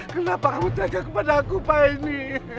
kenapa kamu jaga kepada aku pak eni